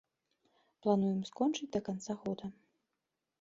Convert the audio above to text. Плануем скончыць да канца года.